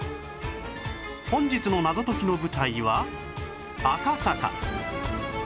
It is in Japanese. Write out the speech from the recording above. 本日の謎解きの舞台は赤坂